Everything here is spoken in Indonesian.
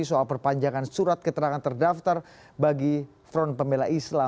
soal perpanjangan surat keterangan terdaftar bagi front pembela islam